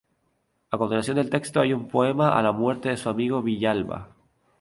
A continuación del texto hay un poema a la muerte de su amigo Villalba.